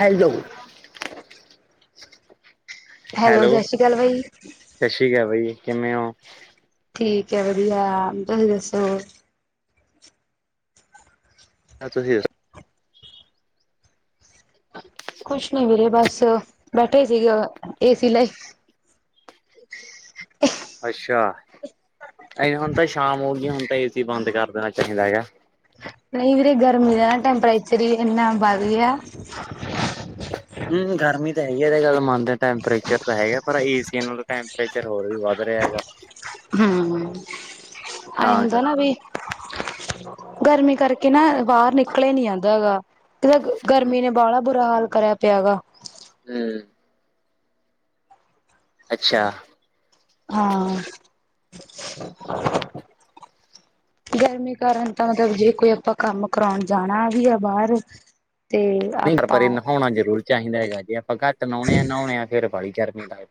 Hello, hello ਸਤਿ ਸ਼੍ਰੀ ਅਕਾਲ ਬਾਈ। ਸਤਿ ਸ਼੍ਰੀ ਅਕਾਲ ਬਾਈ, ਕਿਵੇਂ ਔ? ਠੀਕ ਐ ਵਧੀਆ, ਤੁਸੀ ਦੱਸੋ? [inaudible] ਕੁਛ ਨੀ ਵੀਰੇ ਬਸ ਬੈਠਾ ਹੀ ਸੀਗੇ, ਏਸੀ ਲਾਈ। ਅੱਛਾ, ਏਂ ਹੁਨ ਤਾਂ ਸ਼ਾਮ ਹੋ ਗਈ ਹੁਨ ਤਾ ਏਸੀ ਬੰਦ ਕਰ ਦੇਣਾ ਚਾਹੀਦਾ ਹੈਗਾ। ਨਹੀਂ ਵੀਰੇ ਗਰਮੀ ਦਾ ਨਾ ਟੈਂਪਰੇਚਰ ਹੀ ਇਹਨਾ ਵੱਧ ਗਿਆ। ਹੂੰ ਗਰਮੀ ਤਾਂ ਹੈਗੀ ਐ ਇਹ ਗੱਲ ਮੰਨਦੇ ਆ ਟੈਂਪਰੇਚਰ ਤਾ ਹੈਗਾ, ਪਰ ਏਸੀ ਨਾਲੋਂ ਟੈਂਪਰੇਚਰ ਹੋਰ ਵੀ ਵੱਧ ਰਿਹਾ ਹੈਗਾ। ਹੂੰ, ਐਂ ਤਾਂ ਹੁੰਦਾ ਏ ਨਾ ਕਰਕੇ ਬੀ। ਗਰਮੀ ਕਰਕੇ ਨਾ, ਬਾਹਰ ਨਿਕਲਿਆ ਜਾਦਾ ਨੀ ਹੈਗਾ। ਇਕ ਤਾ ਹੂੰ ਗਰਮੀ ਨੇ ਬਾਹਲਾ ਬੁਰਾ ਹਾਲ ਕਰਿਆ ਪਿਆ ਗਾ। ਹੂੰ, ਅੱਛਿਆ। ਹਾਂ, ਗਰਮੀ ਕਾਰਨ ਤਾ ਮਤਲਬ ਜੇ ਕੋਈ ਆਪਾਂ ਕੰਮ ਕਰਾਣ ਜਾਣਾ ਵੀ ਆ ਬਾਰ ਨਹੀਂ ਪਰ ਇਹ ਨਹਾਉਣਾ ਜਰੂਰ ਚਾਹੀਦਾ ਹੈਗਾ ਜੇ ਆਪਾਂ ਘੱਟ ਨਹਾਉਣੇ ਆਂ, ਨਹਾਉਣੇ ਆ ਫਿਰ ਬਾਲੀ ਗਰਮੀ ਲੱਗ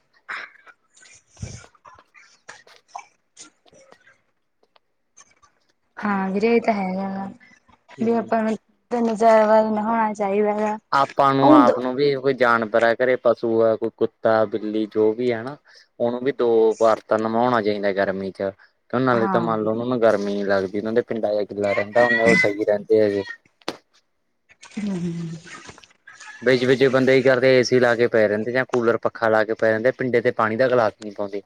[inaudible] ਹਾਂ ਵੀਰੇ ਇਹ ਤਾਂ ਹੈਗਾ ਗਾ, ਵੀ ਹੂੰ ਆਪਾਂ ਨੂੰ ਵੀ ਤਿੰਨ ਚਾਰ ਵਾਰੀ ਨਹਾਉਣਾ ਚਾਹੀਦਾ ਐ ਗਾ। ਆਪਾਂ ਨੂੰ ਉਹ ਆਪ ਨੂੰ ਵੀ ਕੋਈ ਜਾਨਵਰ ਐ ਘਰੇ ਪਸ਼ੂ ਐ ਕੋਈ ਕੁੱਤਾ, ਬਿੱਲੀ ਜੋ ਵੀ ਐ ਹਨਾ। ਉਹਨੂੰ ਵੀ ਦੋ ਬਾਰ ਤਾਂ ਨਵਾਉਣਾ ਚਾਹੀਦਾ ਏ, ਗਰਮੀ ਚ। ਤੇ ਉਹਨਾਂ ਲਈ ਤੇ ਮੰਨ ਹਾਂ ਲਓ ਉਹਨਾਂ ਨੂੰ ਗਰਮੀ ਨੀ ਲੱਗਦੀ ਉਹਨਾਂ ਦੇ ਪਿੰਡਾਂ ਜਿਹਾ ਗਿੱਲਾ ਰਹਿੰਦਾ ਨਾਲੇ ਸਹੀ ਰਹਿੰਦੇ ਐ ਗੇ। ਹੂੰ-ਹੂੰ, ਵਿੱਚ-ਵਿਚ ਬੰਦੇ ਕਿ ਕਰਦੇ ਐ ਏ ਸੀ ਲਾ ਕੇ ਪਏ ਰਹਿੰਦੇ ਜਾਂ ਕੂਲਰ ਪੱਖਾ ਲਾ ਕੇ ਪਏ ਰਹਿੰਦੇ ਪਿੰਡੇ ਤੇ ਪਾਣੀ ਦਾ ਗਿਲਾਸ ਵੀ ਨੀ ਪਾਉਦੇ।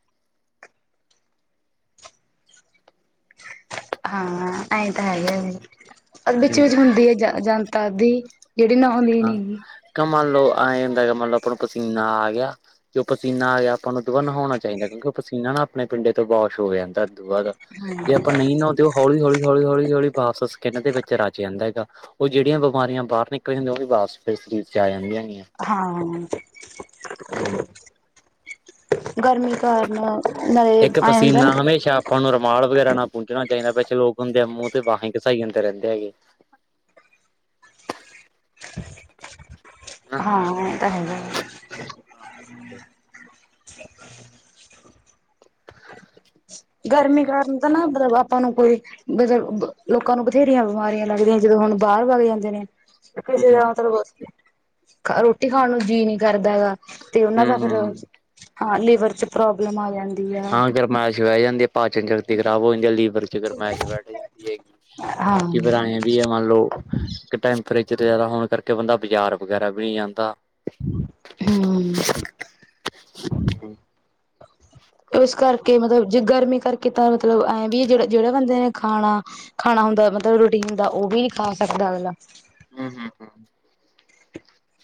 ਹਾਂ ਐਂ ਤਾਂ ਹੈਗਾ ਏ ਅ ਹਮ ਵਿੱਚ-ਵਿੱਚ ਹੁੰਦੀ ਐ ਜ ਜਨਤਾ ਅੱਧੀ ਜਿਹੜੀ ਨਹਾਉਂਦੀ ਨੀ ਗੀ। ਕਿ ਮੰਨ ਲਓ ਐਂ ਹੁੰਦਾ ਕਿ ਮੰਨ ਲਓ ਆਪਾਂ ਨੂੰ ਪਸੀਨਾ ਆ ਗਿਆ। ਜਦੋ ਪਸੀਨਾ ਆ ਗਿਆ ਆਪਾਂ ਨੂੰ ਓਹਤੋ ਬਾਦ ਨਹਾਉਣਾ ਚਾਹੀਦਾ ਕਿਉਂਕਿ ਉਹ ਪਸੀਨਾਂ ਨਾ ਆਪਣੇ ਪਿੰਡੇ ਤੋ ਵੋਸ਼ ਹੋ ਜਾਂਦਾ। ਦੂਬਾਰਾ, ਜੇ ਆਪਾਂ ਨਹੀਂ ਨਹਾਉਂਦੇ ਉਹ ਹੌਲੀ-ਹੌਲੀ-ਹੌਲੀ-ਹੌਲੀ-ਹੌਲੀ ਵਾਪਸ ਸਕਿੰਨ ਦੇ ਵਿੱਚ ਰਜ ਜਾਂਦਾ ਐ ਗਾ। ਉਹ ਜਿਹੜੀਆਂ ਬਿਮਾਰੀਆਂ ਬਾਹਰ ਨਿਕਲਨੀ ਹੁੰਦੀਆਂ, ਉਹ ਵੀ ਵਾਪਸ ਫਿਰ ਸ਼ਰੀਰ ਚ ਆ ਜਾਂਦੀਆਂ ਹੈਗੀਆਂ। ਹਾਂ, ਹੂੰ, ਗਰਮੀ ਕਾਰਨ, ਨਾਲ਼ੇ ਇੱਕ ਐ ਹੁੰਦਾ ਨਾ। ਪਸੀਨਾ ਹਮੇਸ਼ਾ ਆਪਾਂ ਨੂੰ ਰੁਮਾਲ ਵਗੈਰਾ ਨਾਲ ਪੂਜਣਾ ਚਾਹੀਦਾ ਵਿੱਚ ਲੋਕ ਹੁੰਦੇ ਮੂੰਹ ਤੇ ਬਾਹਾਂ ਘਸਾਈ ਜਾਂਦੇ ਰਹਿੰਦੇ ਰੇ ਗੇ। ਹਨਾ ਹਾਂ, ਇਹ ਤਾਂ ਹੈਗਾ ਐ। ਗਰਮੀ ਕਾਰਨ ਤਾਂ ਨਾ ਮਤਲਬ ਆਪਾਂ ਨੂੰ ਕੋਈ ਮਤਲਬ, ਲੋਕਾਂ ਨੂੰ ਬਥੇਰੀਆਂ ਬਿਮਾਰੀਆਂ ਲੱਗਦੀਆਂ ਜਦੋਂ ਹੁਣ ਬਾਹਰ ਵਗ ਜਾਂਦੇ ਨੇ। ਹੂੰ ਕਿਸੇ ਦਾ ਮਤਲਬ, ਖ ਰੋਟੀ ਖਾਣ ਨੂੰ ਜੀਅ ਨੀ ਕਰਦਾ ਆ। ਤੇ ਉਹਨਾਂ ਦਾ ਫੇਰ ਹੂੰ ਹੂੰ। ਹਾਂ ਲੀਵਰ ਚ ਪ੍ਰੋਬਲਮ ਆ ਜਾਂਦੀ ਆ। ਰਹਿ ਜਾਂਦੀ ਆ ਪਾਚਨ ਸ਼ਕਤੀ ਖ਼ਰਾਬ ਹੋ ਜਾਂਦੀ ਆ। ਲੀਵਰ ਚ ਗਰਮਾਇਸ਼ ਬੈਠ ਜਾਂਦੀ ਹੈਗੀ, ਹਮ ਬਾਕੀ ਫਿਰ ਏਂਏ। ਵੀ ਮੰਨ ਲਓ ਕਿ ਟੈਂਪਰੇਚਰ ਜ਼ਿਆਦਾ ਹੋਣ ਕਰਕੇ, ਬੰਦਾ ਬਾਜ਼ਾਰ ਵਗੈਰਾ ਵੀ ਨ੍ਹੀਂ ਜਾਂਦਾ। ਹਂ। ਹੂੰ ਇਸ ਕਰਕੇ‌ ਮਤਲਬ ਜੇ ਗਰਮੀ ਕਰਕੇ ਤਾਂ ਮਤਲਬ ਐਂ ਵੀ ਜਿਹੜਾ ਜਿਹੜੇ ਬੰਦੇ ਨੇ ਖਾਣਾ ਖਾਣਾ ਹੁੰਦਾ ਮਤਲਬ ਰੋਟੀਨ ਦਾ ਉਹ ਵੀ ਨੀ ਖਾ ਸਕਦਾ ਅਗਲਾ। ਹਂ, ਹਂ, ਹਂ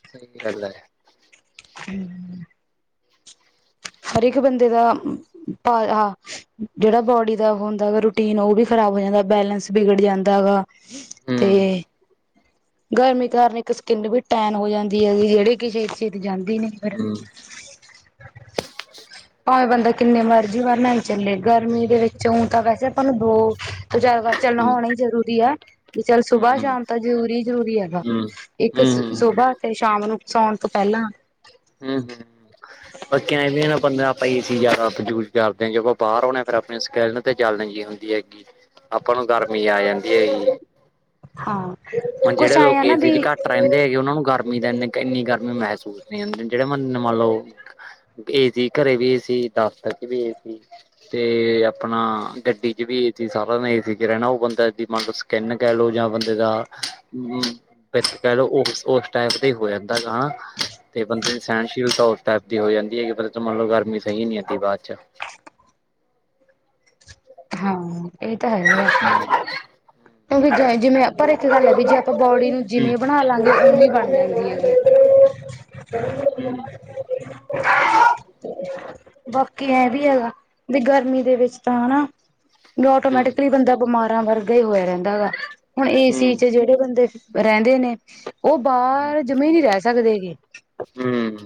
ਸਹੀ ਗੱਲ ਐ। [inaudible] ਹਰ ਇੱਕ ਬੰਦੇ ਦਾ ਭਾਰ ਆ। ਜਿਹੜਾ ਬੋਡੀ ਦਾ ਹੁੰਦਾ ਗਾ ਰੂਟੀਨ, ਉਹ ਵੀ ਖ਼ਰਾਬ ਹੋ ਜਾਂਦਾ। ਬੈਲੈਂਸ ਵਿਗੜ ਜਾਂਦਾ ਹੈਗਾ। ਤੇ ਹਮ ਗਰਮੀ ਕਾਰਨ ਇੱਕ ਸਕਿਨ ਵੀ ਟੈਨ ਹੋ ਜਾਂਦੀ ਐ। ਜਿਹੜੀ ਕਿ ਛੇਤੀ-ਛੇਤੀ ਜਾਂਦੀ ਨੀ। ਹਮ ਭਾਵੇਂ ਬੰਦਾ ਕਿੰਨੇ ਮਰਜੀ ਵਾਰ ਨਾਈ ਚੱਲੇ ਗਰਮੀ ਦੇ ਵਿੱਚ ਊ ਤਾਂ ਵੈਸੇ ਆਪਾਂ ਨੂੰ ਦੋ ਤੋਂ ਚਾਰ ਵਾਰ ਚੱਲ ਹਮ ਨਹਾਉਣਾ ਹੀ ਜ਼ਰੂਰੀ ਆ। ਚੱਲ ਹਮ ਸੁਬਾਹ-ਸ਼ਾਮ ਤਾਂ ਜ਼ਰੂਰੀ-ਜ਼ਰੂਰੀ ਹੈਗਾ। ਇੱਕ ਸੁ ਹਮ ਸੁਬਾਹ ਤੇ ਸ਼ਾਮ ਨੂੰ ਸੋਣ ਤੋਂ ਪਹਿਲਾਂ। ਹਂ, ਹਂ। [inaudible] ਓ ਕਹਿੰਦੇ ਐ ਨਾ ਪੰਦਰਾਂ ਪਈ ਸੀ ਜਿਆਦਾ ਯੂਜ ਕਰਦੇ ਜਦੋਂ ਬਾਹਰ ਆਉਂਦੇ ਫਿਰ ਆਪਣੇ ਸਕਿਲ ਤੇ ਜਲਣ ਜੀ ਹੁੰਦੀ ਹੈਗੀ। ਆਪਾਂ ਨੂੰ ਗਰਮੀ ਆ ਜਾਂਦੀ ਹੈਜੀ। ਹਾਂ ਹੁਣ ਕੁਛ ਜਿਹੜੇ ਆਏ ਆ ਲੋਕੀ ਨਾ ਏ ਸੀ ਵੀ ਚ ਘੱਟ ਰਹਿੰਦੇ ਹੈਗੇ। ਉਹਨਾਂ ਨੂੰ ਗਰਮੀ ਤਾਂ ਇਨੀ, ਇੰਨੀ ਗਰਮੀ ਮਹਿਸੂਸ ਨਈ ਹੁੰਦੀ। ਜਿਹੜੇ ਮੰਨ ਮੰਨ ਲਓ। ਏ ਸੀ, ਘਰੇ ਵੀ ਏ ਸੀ ਦਫਤਰ ਚ ਵੀ ਏਸੀ। ਤੇ ਆਪਣਾ ਗੱਡੀ ਚ ਵੀ ਏ ਸੀ। ਸਾਰਾ ਦਿਨ ਏ ਸੀ ਚ ਰਹਿਣਾ। ਉਹ ਬੰਦਾ ਇਦੀ ਮੰਨ ਲਓ ਕਿਨ ਕਹਿ ਲਓ ਜਾਂ ਬੰਦੇ ਦਾ ਹਂ। ਵਿੱਚ ਕਹਿ ਲਓ ਉਸ ਉਸ ਟਾਈਪ ਤੇ ਹੀ ਹੋ ਜਾਂਦਾ ਹੈ ਨਾ। ਤੇ ਬੰਦੇ ਦੀ ਸਹਿਣਸ਼ੀਲਤਾ ਉਸ ਟਾਈਪ ਦੀ ਹੋ ਜਾਂਦੀ ਐ ਕਿ ਬੰਦੇ ਤੋਂ ਮੰਨ ਲਓ ਗਰਮੀ ਸਹੀ ਨੀ ਜਾਂਦੀ ਬਾਅਦ ਚ। ਹਾਂ, ਇਹ ਤਾਂ ਹੈਗਾ ਆ। ਹਂ [unintelligible] ਓਵੇਂ ਜਾਇਜ਼ ਜਿਵੇਂ ਪਰ ਇੱਕ ਗੱਲ ਐ ਵੀ ਜੇ ਆਪਾਂ ਬੋਡੀ ਨੂੰ ਹਮ ਜਿਵੇਂ ਬਣਾ ਲਾਂਗੇ ਉਵੇਂ ਬਣ ਰਹਿੰਦੀ ਹੈ ਜੀ। ਬਾਕੀ ਐ ਵੀ ਹੈਗਾ ਵੀ ਗਰਮੀ ਦੇ ਵਿੱਚ ਤਾਂ ਹਨਾ। ਵੀ ਹਮ ਆਟੋਮੈਟਿਕਲੀ ਬੰਦਾ ਬਿਮਾਰਾਂ ਵਰਗਾ ਹੀ ਹੋਇਆ ਰਹਿੰਦਾ ਹੈਗਾ। ਹੁਣ ਏ ਸੀ ਹਮ ਚ ਜਿਹੜੇ ਬੰਦੇ ਰਹਿੰਦੇ ਨੇ, ਉਹ ਬਾਹਰ ਜਮਾ ਈ ਨ੍ਈ ਰਹਿ ਸਕਦੇ ਹੈਗੇ। ਹਂ।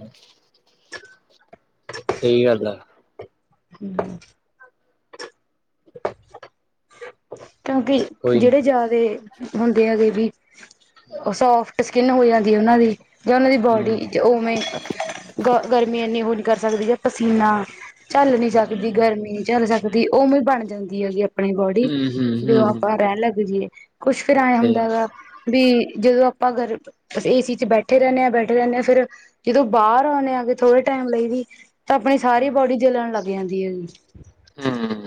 ਸਹੀ ਗੱਲ ਐ। ਹਂ। ਕਿਉਂਕਿ ਕੋਈ ਨੀ ਜਿਹੜੇ ਜ਼ਿਆਦੇ ਹੁੰਦੇ ਆ ਬੇਬੀ ਉਹ ਸੋਫਟ ਸਕਿਨ ਹੋ ਜਾਂਦੀ ਐ ਉਹਨਾਂ ਦੀ, ਜਾਂ ਉਹਨਾਂ ਦੀ ਬੋਡੀ ਹਮ ਜ ਉਵੇਂ ਗ ਗਰਮੀ ਇੰਨੀ ਉਹ ਨੀ ਕਰ ਸਕਦੀ ਪਸੀਨਾ। ਝੱਲ ਨੀ ਸਕਦੀ ਗਰਮੀ, ਝੱਲ ਸਕਦੀ ਉਵੇਂ ਬਣ ਜਾਂਦੀ ਹੈਗੀ ਆਪਣੀ ਬੋਡੀ। ਜਿਦੋਂ ਹੂੰ-ਹੂੰ-ਹੂੰ, ਆਪਾਂ ਰਹਿਣ ਲੱਗ ਜਈਏ, ਕੁੱਛ ਫਿਰ ਐ ਸਹੀ ਹੁੰਦਾ ਵਾ ਬੀ ਜਦੋਂ ਆਪਾਂ ਗਰ ਏ ਸੀ ਚ ਬੈਠੇ ਰਹਿੰਣੇ ਆਂ, ਬੈਠੇ ਰਹਿੰਣੇ ਆਂ ਫਿਰ ਜਦੋਂ ਬਾਹਰ ਆਉਂਣੇ ਆਗੇ ਥੋੜੇ ਟਾਈਮ ਲਈ ਵੀ ਤਾਂ ਆਪਣੀ ਸਾਰੀ ਬੋਡੀ ਜਲਣ ਲੱਗ ਜਾਂਦੀ ਹੈ। ਹਮ।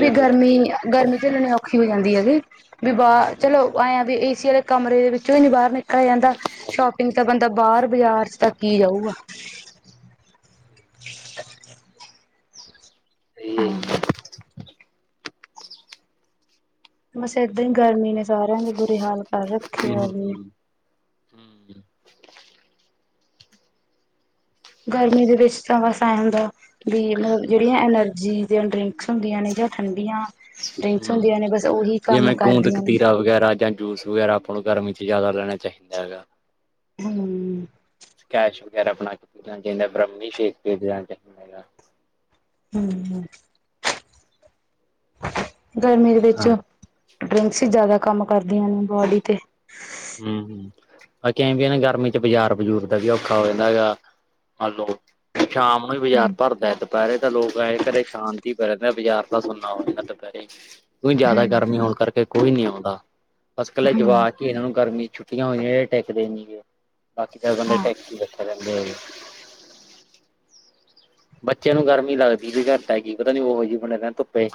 ਵੀ ਗਰਮੀ, ਗਰਮੀ 'ਚ ਲੈਣੀ ਔਖੀ ਹੋ ਜਾਂਦੀ ਹੈਗੀ ਵੀ, ਬਾਹ ਚਲੋ ਆਏ ਆਾਂ ਵੀ, ਏ ਸੀ ਵਾਲੇ ਕਮਰੇ ਦੇ ਵਿੱਚੋਂ ਹੀ ਨੀ ਬਾਹਰ ਨਿਕ ਜਾਂਦਾ, ਸਹੀ ਸ਼ੋਪਿੰਗ ਤਾਂ ਬੰਦਾ ਬਾਹਰ ਬਾਜ਼ਾਰ 'ਚ ਤਾਂ ਕੀ ਜਾਊਗਾ। ਸਹੀ ਹੈ ਹਾਂ ਜੀ। ਬਸ ਏਦਾਂ ਹੀ ਗਰਮੀ ਨੇ, ਸਾਰਿਆਂ ਦੇ ਬੁਰੇ ਹਾਲ ਕਰ ਰੱਖੇ ਆ ਵੀ ਹਮ। ਗਰਮੀ ਦੇ ਵਿੱਚ ਤਾਂ ਵਸ ਐ ਹੁੰਦਾ, ਵੀ ਮਤਲਬ ਜਿਹੜੀਆਂ ਐਨਰਜੀ ਦੇ ਡਰਿੰਕ ਹੁੰਦੀਆਂ ਨੇ ਜਾਂ ਠੰਡੀਆਂ, ਡਰਿੰਕਸ ਹੁੰਦੀਆਂ ਨੇ ਬਸ ਉਹੀ ਕੰਮ ਜਿਵੇਂ ਗੂੰਦ ਕਰਦੀਆਂ ਨੇ। ਕਤੀਰਾ ਵਗੈਰਾ ਜਾਂ ਜੂਸ ਵਗੈਰਾ ਆਪਾਂ ਨੂੰ ਗਰਮੀ 'ਚ ਜ਼ਿਆਦਾ ਰਹਿਣਾ ਚਾਹੀਦਾ ਹੈਗਾ। ਹਮ। ਸਕੈਸ਼ ਵਗੈਰਾ ਬਣਾ ਕੇ ਪੀਣਾ ਚਾਈਦਾ, ਬ੍ਰਮੀ ਸ਼ੇਕ ਹੈ। ਹਮ, ਗਰਮੀ ਦੇ ਵਿੱਚ ਹਾਂ, ਡਰਿੰਕਸ ਹੀ ਜ਼ਿਆਦਾ ਕੰਮ ਕਰਦੀਆਂ ਨੇ, ਬੋਡੀ ਤੇ ਹਮ ਹਮ, ਬਾਕੀ ਵੀ ਇਹ ਨਾ ਗਰਮੀ 'ਚ ਬਾਜ਼ਾਰ ਬਜ਼ੂਰ ਦਾ ਵੀ ਔਖਾ ਹੋ ਜਾਂਦਾ ਹੈਗਾ। ਮੰਨ ਲੋ ਸ਼ਾਮ ਨੂੰ ਹੀ ਬਾਜ਼ਾਰ ਹਮ ਭਰਦਾ ਹੈ, ਦੁਪਹਿਰੇ ਤਾਂ ਲੋਕ ਐਂ ਘਰੇ ਸ਼ਾਂਤੀ ਹੀ ਪ ਰਹਿੰਦੇ ਆ, ਬਾਜ਼ਾਰ ਸੁੰਨਾ ਹੁੰਦਾ ਦੁਪਹਿਰੇ, ਕੋਈ ਜਿਆਦਾ ਹਮ ਗਰਮੀ ਹੋਣ ਕਰਕੇ ਕੋਈ ਨੀ ਆਉਂਦਾ। ਬਸ ਇਕੱਲੇ ਹਮ ਜਵਾਕ ਕੇ ਇਹਨਾਂ ਨੂੰ ਗਰਮੀ 'ਚ ਛੁੱਟ ਹੋਈਆਂ ਟੈਕ ਦੇਣੀ ਨੀ ਗਏ, ਬਾਕੀ ਫ ਬੰਦੇ ਹਾਂ ਟੈਕ ਕੇ ਰਹਿੰਦੇ ਹੈਗੇ। ਬੱਚਿਆਂ ਨੂੰ ਗਰਮੀ ਲੱਗਦੀ ਵੀ ਘੱਟ ਹੈਗੀ, ਪਤਾ ਨੀ ਉਹੋ ਜਿਹੀ ਬਡ ਧੁੱਪੇ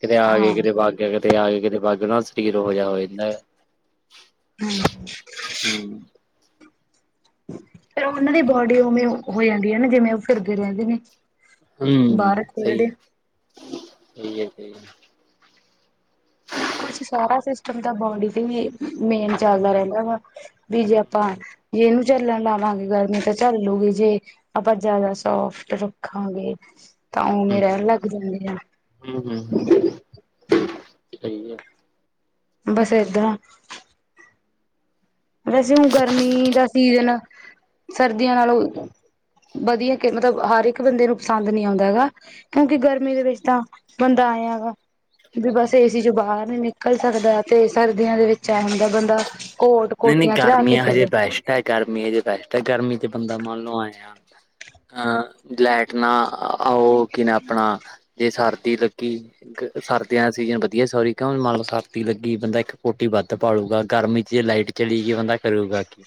ਕਿਤੇ ਆ ਗ, ਹਾਂ ਕਿਤੇ ਵਗ ਗਿਆ, ਕਿਤੇ ਆ ਗ, ਕਿਤੇ ਬਾਗ ਗਿਆ, ਨਾ ਦਾ ਸਰੀਰ ਉਹੋ ਜਿਹਾ ਹੋ ਜਾਂਦਾ। ਹਮ। ਹਮ। ਫਿਰ ਉਹਨਾਂ ਦੀ ਬੋਡੀ ਉਵੇਂ ਹੋ ਜਾਂਦੀ ਹੈ ਨਾ, ਜਿਵੇਂ ਉਹ ਫਿਰਦੇ ਰਹਿੰਦੇ ਨੇ। ਬਾਹਰ ਹਮ ਸਹੀ ਖੇਡਦੇ ਹੈ, ਸਹੀ ਸਹੀ। ਕੁਛ ਸਾਰਾ ਸਿਸਟਮ ਤਾਂ ਬੋਡੀ ਤੇ ਵੀ, ਮੇਨ ਚੱਲਦਾ ਰਹਿੰਦਾ ਵਾ। ਵੀ ਜੇ ਆਪਾਂ ਜੇ ਇਹਨੂੰ ਚੱਲਣ ਲਾਵਾਂਗੇ, ਗਰਮੀ ਤਾਂ ਚੱਲੂਗੀ ਜੇ ਆਪਾਂ ਜ਼ਿਆਦਾ ਸੋਫਟ ਰੱਖਾਂਗੇ ਤਾਂ ਉਵੇੇ ਰਹਿਣ ਹੂੰ ਲੱਗ ਜਾਂਦੇ ਹੂੰ ਹੂੰ ਹਨ। ਸਹੀ ਹੈ। ਬਸ ਇਦਾ ਵੈਸੇ ਹੁਣ ਗਰਮੀ ਦਾ ਸੀਜਨ, ਸਰਦੀਆਂ ਨਾਲੋਂ ਵਧੀਆ, ਮਤਲਬ ਹਰ ਇੱਕ ਬੰਦੇ ਨੂੰ ਪਸੰਦ ਨੀ ਆਉਂਦਾ ਹੈਗਾ। ਕਿਉਂਕਿ ਗਰਮੀ ਦੇ ਵਿੱਚ ਤਾਂ ਬੰਦਾ ਆਏ ਹੈ ਗਾ, ਵੀ ਬਸ ਏ ਸੀ 'ਚੋਂ ਬਾਹਰ ਨੀ ਨਿਕਲ ਨਿਕਲ ਸਕਦਾ, ਤੇ ਸਰਦੀਆਂ ਦੇ ਵਿੱਚ ਇਹ ਹੁੰਦਾ ਬੰਦਾ ਕੋਟ ਨਹੀਂ ਨਹੀਂ ਕੋਟੀਆਂ ਚੜਾ ਕੇ ਗਰਮੀੀਆਂਆ ਹਜੇ, ਫਿਰਦਾ ਬੈ ਹੈ ਗਰਮੀਜ ਬੈਸਟ ਹੈ ਗਰਮੀ 'ਚ ਬੰਦਾ ਮੰਨ ਲਓ, ਆਏ ਹ ਅਹ ਲ ਲੈਟ ਨਾ ਉਹਓ, ਕੀ ਨ ਆਪਣਾ ਜੇ ਸਰਦੀ ਲੱਗੀ ਸਰਦੀਆਂ ਦਾ ਸੀਜ਼ਨ ਵਧੀਆ, ਸੋਰੀ ਕਿਉਂ ਮਨਲਬ ਸਰਦੀ ਲੱਗੀ ਬੰਦਾ ਇੱਕ ਕੋਟੀ ਵੱਧ ਪਾਲੂਗਾ, ਗਰਮੀ 'ਚ ਜੇ ਲਾਈਟ ਚਲੀ ਗਈ, ਬੰਦਾ ਕਰੂਗਾ ਕਿ?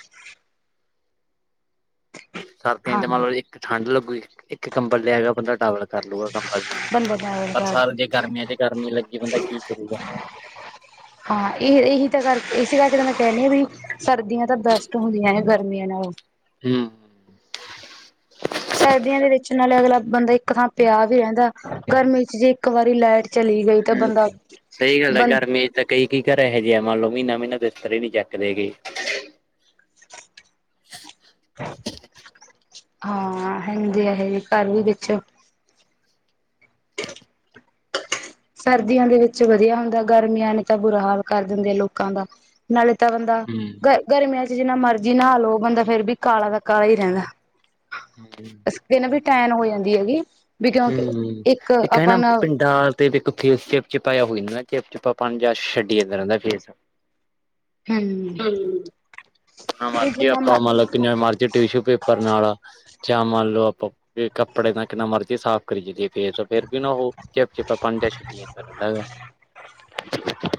ਸਰਦੀਆਂ ਹਾਂ 'ਚ ਮਤਲਬ ਇੱਕ ਠੰਢ ਲੱਗੂਗੀ ਕੰਬਲ ਲਿਆਗਾ ਬੰਦਾ ਡਬਲ ਕਰ ਲੂਗਾ ਕੰਬਲ ਨੂੰ, ਬੰਦਾ ਪਰ ਬਰ ਸਰ ਜੇ ਗਰਮੀਆਂ 'ਚ ਗਰਮੀ ਲੱਗੀ, ਬੰਦਾ ਕੀ ਕਰੂਗਾ? ਹਾਂ ਇਹ-ਇਹੀ ਤਾ ਕਰ ਇਸ ਕਰਕੇ ਤਾ ਮੈਂ ਕਹਿਣੀ ਹਾਂ ਵੀ ਸਰਦੀਆ ਤਾ ਬੈਸਟ ਹੁੰਦੀਆਂ ਨੇ ਗਰਮੀਆ ਨਾਉ। ਹੂੰ ਸਰਦੀਆਂ ਦੇ ਵਿੱਚ ਨਾਲੇ ਅਗਲਾ ਬੰਦਾ ਇੱਕ ਥਾਂ ਪਿਆ ਵੀ ਰਹਿੰਦਾ ਗਰਮੀ ਚ ਜੇ ਇੱਕ ਵਾਰੀ ਲੈਟ ਚਲੀ ਗਈ ਤਾਂ ਬੰਦਾ ਸਹੀ ਗੱਲ ਹੈ ਬੰ ਗਰਮੀ ਚ ਤਾਂ ਕਈ ਕੀ ਘਰ ਇਹੋ ਜਿ ਆ ਮੰਨ ਲੋਓ ਮਹੀਨਾ-ਮਹੀਨਾ ਬਿਸਤਰੇ ਹੀ ਨਹੀਂ ਚੱਕਦੇ ਗੇ। [inaudible] ਹਾਂ ਹਿੰਦੀ ਇਹ ਹੀ ਘਰ ਦੇ ਵੀ ਵਿੱਚ। ਸਰਦੀਆਂ ਦੇ ਵਿੱਚ ਵਧੀਆ ਹੁੰਦਾ ਗਰਮੀਆਂ ਨੇ ਤਾਂ ਬੁਰਾ ਹਾਲ ਕਰ ਦਿੰਦੇ ਆ ਲੋਕਾਂ ਦਾ। ਨਾਲੇ ਤਾ ਬੰਦਾ ਗ ਗਰਮੀਆਂ ਚ ਜਿੰਨਾ ਮਰਜੀ ਨਹਾ ਲਓ ਬੰਦਾ ਫੇਰ ਵੀ ਕਾਲਾ ਦਾ ਕਾਲਾ ਹੀ ਰਹਿੰਨੇ। [unintelligible] ਦਿਨੇ ਵੀ ਟੈਨ ਹੋ ਜਾਂਦੀ ਹੈਗੀ। ਵੀ ਕਿਉਂਕਿ ਹੂੰ ਇੱਕ ਇਹ ਨਾ ਆਪਾਂ ਪਿੰਡਾਂ ਤੇ ਇੱਕ ਫੇਸ ਚਿਪ ਚਿਪਾ ਹੋ ਜਾਂਦਾ ਚਿਪ ਚਿੱਪਾ ਪਾ ਜਾ ਛੱਡੀ ਜਾਂਦਾ ਰਹਿੰਦਾ ਫੇਸ। ਹਮ ਹਮ [unintelligible] ਵੀ ਜਿੰਨਾ ਮ ਆਪਾਂ ਮਤਲਬ ਕਿਨਾ ਮਰਜੀ ਟਿਸ਼ੂ ਪੇਪਰ ਨਾਲ ਜਾਂ ਮੰਨ ਲਓ ਆਪਾਂ ਕੱਪੜੇ ਦਾ ਕਿੰਨਾ ਮਰ ਸਾਫ਼ ਕਰੀ ਜੀ ਦੀ ਏ ਫੇਰ ਵੀ ਨਾ ਉਹੋ ਚਿਪ ਚਿਪਾ ਪਨ ਜਾ ਛੱਡੀ ਜਾਂਦਾ ਰਹਿੰਦਾ ਹੈ ਉਹ।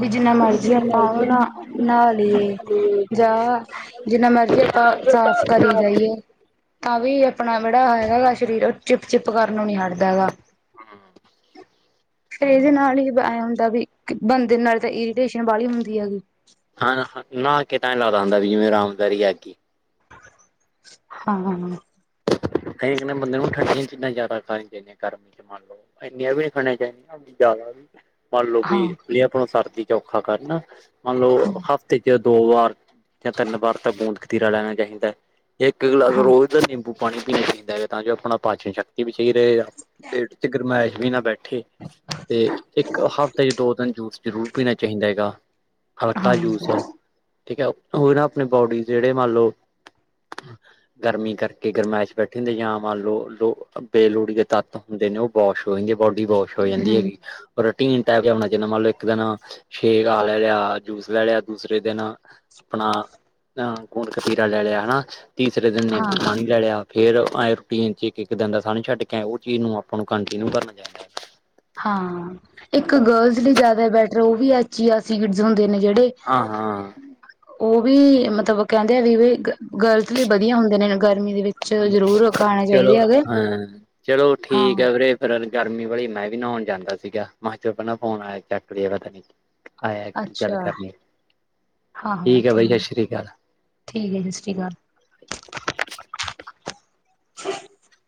ਵੀ ਜਿੰਨਾ ਮਰਜ਼ੀ ਆਪਾਂ ਉਹ ਨਾ ਨਹਾ ਲਏ ਜਾਂ ਜਿੰਨਾ ਮਰਜੀ ਆਪਾਂ ਸਾਫ਼ ਕਰੀ ਜਾਈਏ। ਤਾਂ ਵੀ ਆਪਣਾ ਜਿਹੜਾ ਹੈਗਾ ਗਾ ਸ਼ਰੀਰ ਚਿਪ-ਚਿਪ ਕਰਨ ਨੂੰ ਨੀ ਹਟਦਾ ਹੈਗਾ। ਹਾਂ। ਫੇਰ ਇਹਦੇ ਨਾਲ ਹੀ ਐ ਹੁੰਦਾ ਵੀ ਬੰਦੇ ਨਾਲ ਤਾਂ ਇਰੀਟੇਸ਼ਨ ਬਾਲੀ ਹੁੰਦੀ ਹੈਗੀ। ਹਾਂ ਨਹਾ ਨਾ ਕੇ ਤਾਂ ਹੀ ਲੱਗਦਾ ਹੁੰਦਾ ਵੀ ਜਿਵੇਂ ਆਰਾਮਦਾਰੀ ਹੈਗੀ। ਹਾਂ [unintelligible] ਜਿਵੇਂ ਬੰਦੇ ਨੂੰ ਠੰਡੀਆਂ ਚ ਇੰਨਾ ਜ਼ਦਾ ਖਾਣ ਚਾਹੀਆਂ ਗਰਮੀ ਚ ਮਨ ਇੰਨੀਆਂ ਵੀ ਨਹੀਂ ਖਾਣੀਆਂ ਚਾਹੀਦੀਆਂ ਜ਼ਿਆਦਾ ਵੀ ਮੰਨ ਲਓ ਵੀ ਹਾਂ, ਜ ਆਪਣਾ ਸਰਦੀ ਚ ਔਖਾ ਕਰ ਮੰਨ ਹਾਂ, ਹਾਂ, ਲਓ ਹਫ ਤੇ ਜ ਦੋ ਵਾਰ ਜਾਂ ਤਿੰਨ ਵਾਰ ਤਾਂ ਗੋੰਦ ਕਤੀਰਾ ਲੈਣਾ ਚਾਹੀਦਾ ਹੈ ਇੱਕ ਗਲਾਸ ਰੋਜ਼ ਦਾ ਨਿੰਬੂ ਬੂ ਪੀਣੀ ਚਾਹੀਦਾ ਹੈਗਾ ਤਾਂ ਕੇ ਆਪਣਾ ਪਾਚਨ ਸ਼ਕ ਤੀ ਵੀ ਰਏਗਾ ਪੇਟ ਚ ਗਰਮਾਇਸ਼ ਵੀ ਨਾ ਬੈਠੇ। ਤੇ ਇੱਕ ਹਫ਼ਤੇ ਚ ਦੋ ਦਿਨ ਜੂਸ ਜ਼ਰੂਰ ਪੀਣਾ ਚਾਹੀਦਾ ਹੈਗਾ ਹਲਕਾ ਜੂਸ। ਹੂੰ, ਠੀਕ ਹੈ, ਉਹ ਨਾ ਆਪਣੇ ਬੋਡੀ ਜਿਹੜੇ ਮੰਨ ਲੋ ਗਰਮੀ ਕਰ ਗਰਮੈਸ਼ ਬੈਠੀ ਹੁੰਦੇ ਯਾ ਮੰਨ ਲਓ ਲੋ ਬੇਲੋੜੀ ਦੇ ਤੱਤ ਹੁੰਦੇ ਨੇ ਉਹ ਵਾਸ਼ ਹੋਏੰਗੇ ਬੋਡੀ ਵਾਸ਼ ਹੋ ਜਾਂਦੀ ਹੈਗੀ। ਰੋਟੀਨ ਟਾਈਪ ਹੋਣਾ ਚਾਹੀਦਾ ਮੰਨ ਲਓ ਇੱਕ ਦਿਨ ਸ਼ੇਕ ਆ ਲੈ ਲਿਆ ਯਾ ਜੂਸ ਲੈ ਲਿਆ ਦੂਸਰੇ ਦਿਨ ਆਪਣਾ ਅਹ ਗੋਂਦ ਕਤੀਰਾ ਲੈ ਲਿਆ ਹੈਨਾ ਤੀਸਰੇ ਦਿਨ ਨਿੰਬੂ ਹਾਂ। ਲੈ ਲਿਆ ਫੇਰ ਆਏ ਰੂਟੀਨ ਚ ਇੱਕ-ਇੱਕ ਦਿਨ ਦਾ ਅਸਾਂ ਨੂ ਛੱਡ ਕੇ ਆ ਉਹ ਚੀਜ਼ ਨੂੰ ਆਪਾਂ ਨੂੰ ਕੰਟੀਨਿਊ ਕਰਨਾ ਚਾਹੀਦਾ। ਹਾਂ ਇੱਕ ਗਰਲਜ਼ ਲਈ ਜਾਦਾ ਬੈਟਰ ਉਹ ਵੀ ਆ ਚੀਆ ਸੀਡਸ ਹੁੰਦੇ ਨੇ ਜਿਹੜੇ ਹਾਂ ਹਾਂ ਉਹ ਵੀ ਮਤਲਬ ਕਹਿੰਦੇ ਆ ਵੀ, ਵੀ ਗਰਲਸ ਲਈ ਵਧੀਆ ਹੁੰਦੇ ਨੇ ਗਰਮੀ ਦੇ ਵਿ ਚਲੋ ਹਾਂ ਚਲੋ ਠੀਕ ਹਾਂ, ਹੈ ਵੀਰੇ। ਗਰਮੀ ਵਲੀ ਮੈਂ ਵੀ ਨੋਨ ਜਾਂਦਾ ਸੀਗਾ ਮਹਾ ਚੁੱਕਣਾ ਫੋਨ ਆਇਆ ਚੱਕ ਲਿਆ ਮੈ ਕਹਾ ਨਹੀਂ ਆਇਆ ਕੀ ਗੱਲ ਅੱਛਾ, ਕਰਨੀ ਆ, ਹਾਂ, ਹਾਂ ਠੀਕ ਆ ਬਾਈ ਸਸ ਸ੍ਰੀ ਕਾਲ। ਠੀਕ ਆ ਸਤਿ ਸ਼੍ਰੀ ਅਕਾਲ। [inaudible]